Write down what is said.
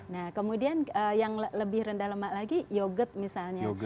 nah kemudian yang lebih rendah lemak lagi yogurt misalnya